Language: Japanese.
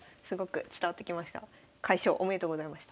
快勝おめでとうございました。